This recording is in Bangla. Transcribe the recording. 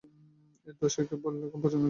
এই দশায় এরা কেবল প্রজনন করে থাকে।